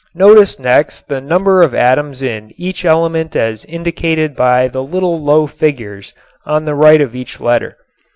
Notice next the number of atoms in each element as indicated by the little low figures on the right of each letter.